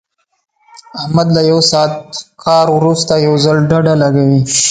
احمد له یو ساعت کار ورسته یو ځل ډډه لګوي.